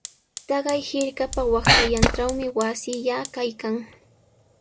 Taqay hirkapa waqtallantrawmi wasillaa kaykan.